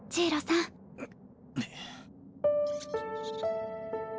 んっ。